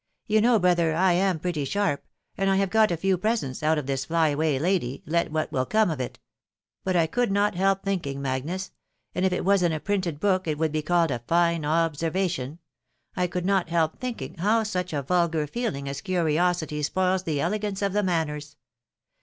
You know, brother, I am pretty sharp, and I have got a few pre sents out of this fly away lady, let what will come of it. But I could not help thinking, Magnus, — and if it was in a printed book it would be called bfine observation, — I could not help thinking how such a vulgar feeling1 as curiosity spoils the elegance of the manners.